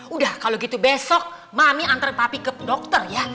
udah kalau gitu besok mami antar tapi ke dokter ya